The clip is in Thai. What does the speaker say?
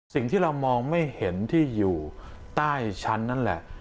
สิ่งที่เรามองไม่เห็นที่อยู่ใต้ชั้นนั่นแหละ